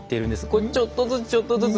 これちょっとずつちょっとずつ。